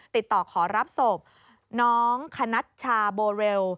ติดต่อขอรับศพน้องคณัชชาโบเรล